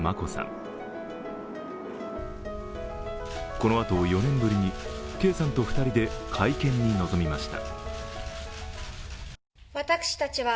このあと４年ぶりに圭さんと２人で会見に臨みました。